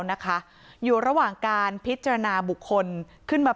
นะคะอยู่ระหว่างการพิจารณาบุคคลขึ้นมา